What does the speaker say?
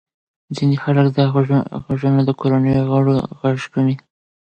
ځینې خلک دا غږونه د کورنۍ غړو غږ ګڼي.